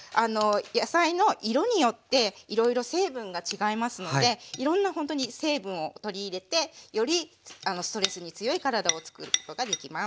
野菜の色によっていろいろ成分が違いますのでいろんなほんとに成分を取り入れてよりストレスに強い体をつくることができます。